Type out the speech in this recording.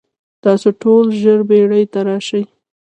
تاسو ټول ژر بیړۍ ته راشئ.